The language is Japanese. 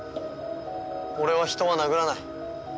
俺は人は殴らない。